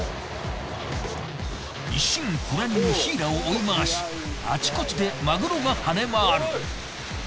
一心不乱にシイラを追い回しあちこちでマグロが跳ね回る。